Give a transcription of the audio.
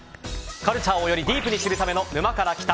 カルチャーをよりディープに知るための「沼から来た。」。